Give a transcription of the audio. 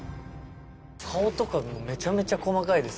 顔とかめちゃめちゃ細かいですけど。